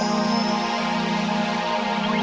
sampai jumpa lagi